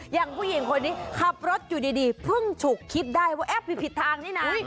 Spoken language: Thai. อย่างผู้หญิงคนนี้ขับรถอยู่ดีเพิ่งฉุกคิดได้ว่าแอบผิดทางนี่นะ